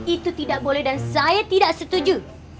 itu tidak boleh dan saya tidak setuju